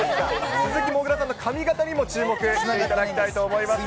鈴木もぐらさんの髪形にも注目していただきたいと思います。